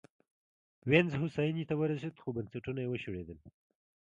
وینز هوساینې ته ورسېد خو بنسټونه یې وشړېدل